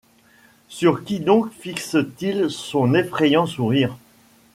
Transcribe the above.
Sur qui donc fixe-t-il son effrayant sourire ?